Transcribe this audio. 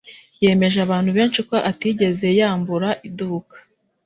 yemeje abantu benshi ko atigeze yambura iduka .